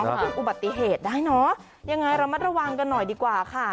มันเป็นอุบัติเหตุได้เนอะยังไงระมัดระวังกันหน่อยดีกว่าค่ะ